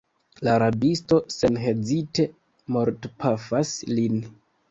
La rabisto senhezite mortpafas lin.